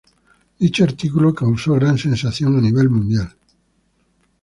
Dicho artículo causó gran sensación a nivel mundial.